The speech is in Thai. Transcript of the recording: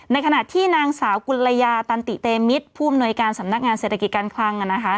ในขณะที่นางสาวกุลยาตันติเตมิตรผู้อำนวยการสำนักงานเศรษฐกิจการคลัง